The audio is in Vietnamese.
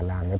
tên vui vẻ